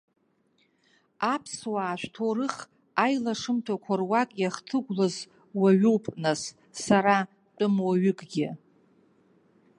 Аԥсуаа шәҭоурых аилашымҭақәа руак иахҭыгәлаз уаҩуп, нас, сара тәымуаҩыкгьы.